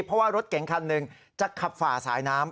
เพราะว่ารถเก๋งคันหนึ่งจะขับฝ่าสายน้ำ